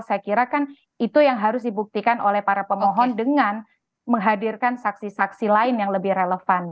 saya kira kan itu yang harus dibuktikan oleh para pemohon dengan menghadirkan saksi saksi lain yang lebih relevan